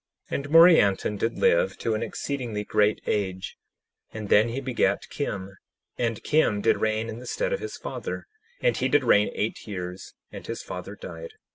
10:13 And Morianton did live to an exceedingly great age, and then he begat Kim; and Kim did reign in the stead of his father; and he did reign eight years, and his father died.